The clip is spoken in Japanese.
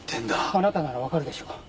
あなたならわかるでしょ？